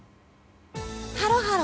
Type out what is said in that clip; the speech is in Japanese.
ハロハロ！